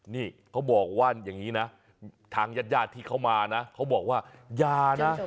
นี่เขาบอกว่าอย่างนี้นะทางญาติญาติที่เขามานะเขาบอกว่ายานะ